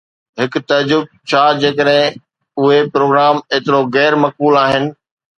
هڪ تعجب: ڇا جيڪڏهن اهي پروگرام ايترو غير مقبول آهن؟